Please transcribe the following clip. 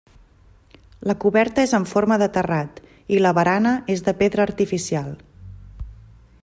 La coberta és en forma de terrat i la barana és de pedra artificial.